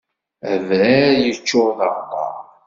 Abraḥ yeččur d aɣebbar.